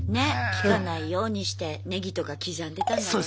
聞かないようにしてネギとか刻んでたんだろうな。